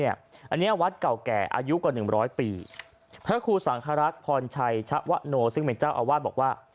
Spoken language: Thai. อันนี้วัดเก่าแก่อายุกว่าหนึ่งร้อยปีพระครูสังครักษ์พรชัยชะวะโนซึ่งเป็นเจ้าอาวาสบอกว่า